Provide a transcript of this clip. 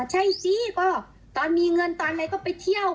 ใช่สิก็ตอนมีเงินตอนไหนก็ไปเที่ยว